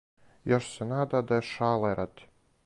Још се нада да је шале ради;